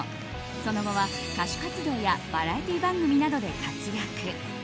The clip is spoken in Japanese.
その後は歌手活動やバラエティー番組などで活躍。